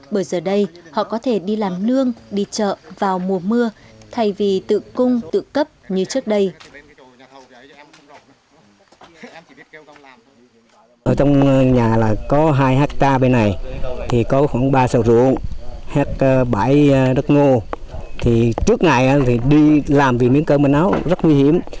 bởi giờ đây họ có thể đi làm nương đi chợ vào mùa mưa thay vì tự cung tự cấp như trước đây